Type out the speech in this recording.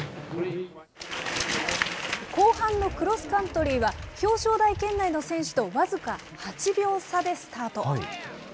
後半のクロスカントリーは、表彰台圏内の選手と僅か８秒差でスタート。